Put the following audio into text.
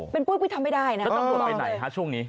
เป็นปุ๊บที่ทำไม่ได้นะแล้วต้องหลวดไปไหนฮะช่วงนี้